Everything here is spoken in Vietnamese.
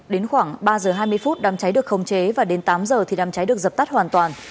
đến khoảng ba giờ hai mươi phút đám cháy được khống chế và đến tám giờ thì đám cháy được dập tắt hoàn toàn